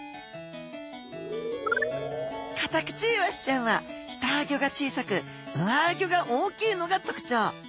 カタクチイワシちゃんは下あギョが小さく上あギョが大きいのがとくちょう。